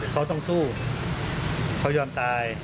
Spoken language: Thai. เขาต้องสู้เขายอมตาย